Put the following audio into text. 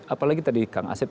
apalagi tadi kang asep